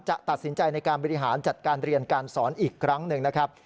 จะตัดสินใจในการบริหารจัดการเรียนการสอนอีกครั้งหนึ่งนะครับ